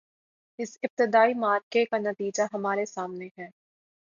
اس ابتدائی معرکے کا نتیجہ ہمارے سامنے ہے۔